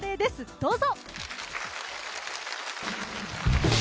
どうぞ。